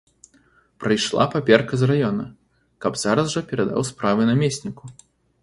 Прыйшла паперка з раёна, каб зараз жа перадаў справы намесніку.